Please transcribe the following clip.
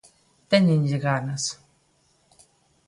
¡Téñenlle ganas!